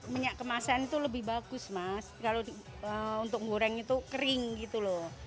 minyak kemasan itu lebih bagus mas kalau untuk goreng itu kering gitu loh